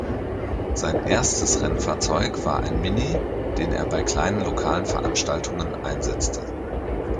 Sein erstes Rennfahrzeug war ein Mini, den er bei kleinen lokalen Veranstaltungen einsetzte.